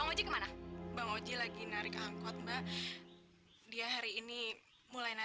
rezeki memang gak kemana mana ya